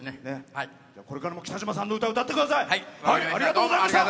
これからも北島さんの歌歌ってください。